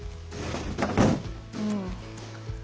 うん。